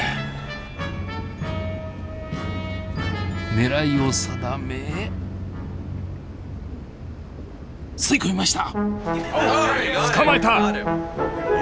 狙いを定め吸い込みました！